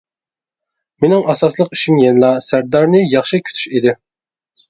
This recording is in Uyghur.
مىنىڭ ئاساسلىق ئىشىم يەنىلا سەردارنى ياخشى كۈتۈش ئىدى.